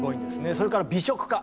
それから美食家